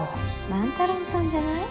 万太郎さんじゃない？